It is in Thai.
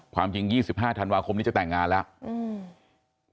ความจริง๒๕ธันวาคมนี้จะแต่งงานแล้ว